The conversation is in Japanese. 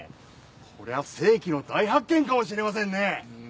こりゃ世紀の大発見かもしれませんね！